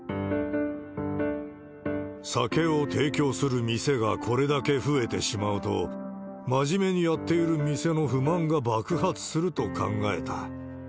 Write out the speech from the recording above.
酒を提供する店がこれだけ増えてしまうと、真面目にやっている店の不満が爆発すると考えた。